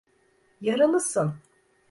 Yaralısın.